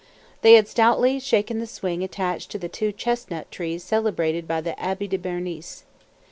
They had stoutly shaken the swing attached to the two chestnut trees celebrated by the Abbé de Bernis.